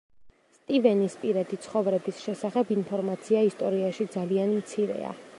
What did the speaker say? სტივენის პირადი ცხოვრების შესახებ ინფორმაცია ისტორიაში ძალიან მცირეა.